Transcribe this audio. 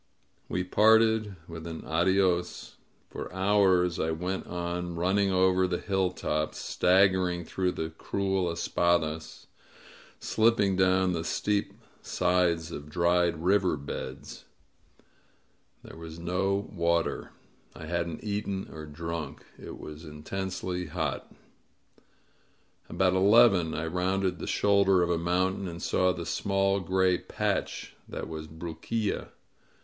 We parted with an adios. For hours I went on, running over the hilltops, stag gering through the cruel espadasy slipping down the steep sides of dried river beds. There was no water. I hadn't eaten or drunk. It was intensely hot. About eleven I rounded the shoulder of a mountain and saw the small gray patch that was Bruquilla.